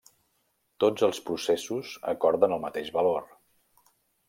Tots els processos acorden el mateix valor.